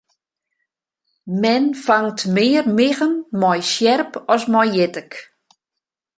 Men fangt mear miggen mei sjerp as mei jittik.